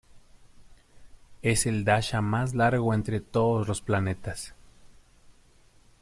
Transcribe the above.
Es el dasha más largo entre todos los planetas.